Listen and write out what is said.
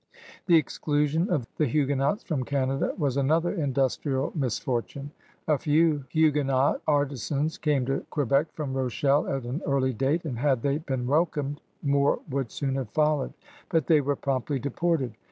The exclusion of the Huguenots from Canada was another industrial misfortime. A few Hugue not artisans came to Quebec from Rochelle at an early date, and had they been welcomed, more would soon have followed. But they were promptly deported.